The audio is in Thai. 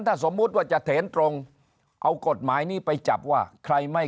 ถ้าสมมุติว่าจะเถนตรงเอากฎหมายนี้ไปจับว่าใครไม่